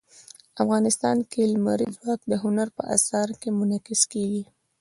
افغانستان کې لمریز ځواک د هنر په اثار کې منعکس کېږي.